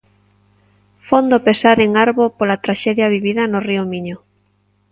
Fondo pesar en Arbo pola traxedia vivida no río Miño.